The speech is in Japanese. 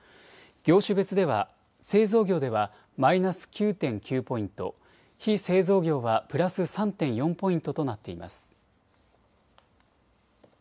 業種別では製造業ではマイナス９．９ポイント、非製造業はプラス３．４ポイントとなっています。